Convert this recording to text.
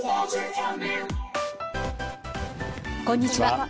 こんにちは。